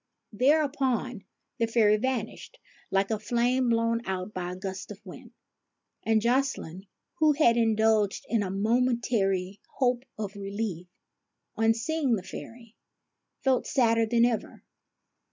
Thereupon the fairy vanished like a flame blown out by a gust of wind; and Jocelyne, who had indulged in a momen tary hope of relief, on seeing the fairy, felt sadder than ever.